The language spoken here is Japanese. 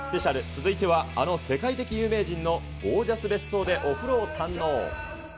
続いては、あの世界的有名人のゴージャス別荘でお風呂を堪能。